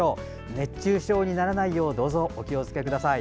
熱中症にならないようどうぞお気をつけください。